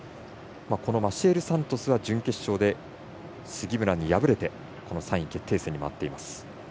マシエル・サントスは準決勝で杉村に敗れてこの３位決定戦に回っています。